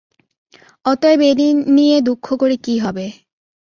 অতএব এ নিয়ে দুঃখ করে কী হবে?